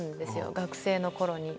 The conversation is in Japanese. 学生のころに。